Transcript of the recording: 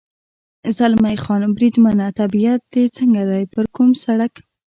زلمی خان: بریدمنه، طبیعت دې څنګه دی؟ پر کوم سړک.